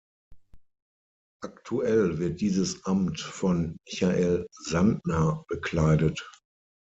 Aktuell wird dieses Amt von Michael Sandner bekleidet.